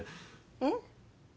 えっ？